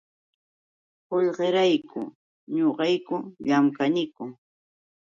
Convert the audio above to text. Qullqirayku ñuqayku llamkaniku.